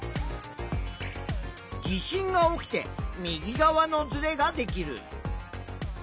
地震が起きて右側のずれができる。